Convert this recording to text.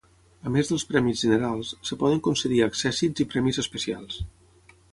A més dels premis generals, es poden concedir accèssits i premis especials.